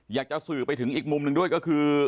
อยากจะสื่อไปถึงอีกมุมหนึ่งด้วยก็คือ